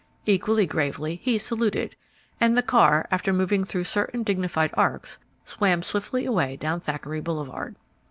Equally gravely he saluted, and the car, after moving through certain dignified arcs, swam swiftly away down Thackeray Boulevard.